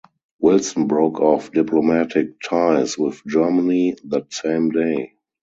Wilson broke off diplomatic ties with Germany that same day.